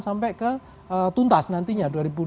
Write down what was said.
sampai ke tuntas nantinya